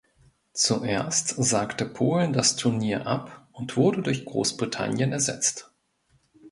Zuerst sagte Polen das Turnier ab und wurde durch Großbritannien ersetzt.